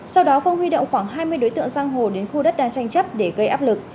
sau đó không huy động khoảng hai mươi đối tượng giang hồ đến khu đất đang tranh chấp để gây áp lực